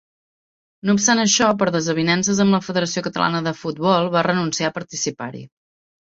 No obstant això, per desavinences amb la Federació Catalana de Futbol va renunciar a participar-hi.